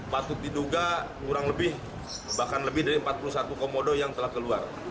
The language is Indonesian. patut diduga kurang lebih bahkan lebih dari empat puluh satu komodo yang telah keluar